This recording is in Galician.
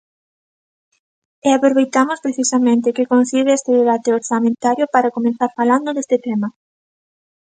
E aproveitamos precisamente que coincide este debate orzamentario para comezar falando deste tema.